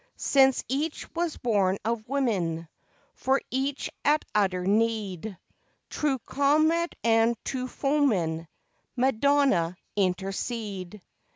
Since each was born of woman, For each at utter need True comrade and true foeman, Madonna, intercede!